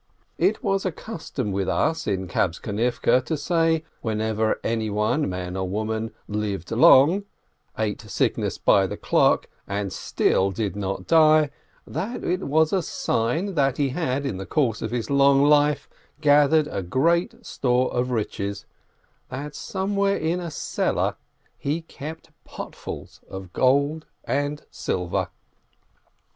It was a custom with us in Kabtzonivke to say, when ever anyone, man or woman, lived long, ate sicknesses by the clock, and still did not die, that it was a sign that he had in the course of his long life gathered great store of riches, that somewhere in a cellar he kept potsful of gold and silver.